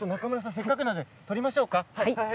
せっかくなので撮りましょうか。